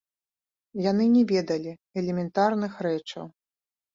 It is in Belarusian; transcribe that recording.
Яны не ведалі элементарных рэчаў.